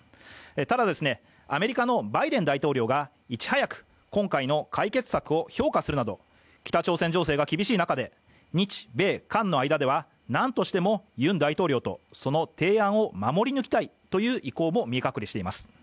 ただ、アメリカのバイデン大統領がいち早く今回の解決策を評価するなど、北朝鮮情勢が厳しい中で、日米韓の間で何としてもユン大統領とその提案を守り抜きたいという意向も見え隠れしています。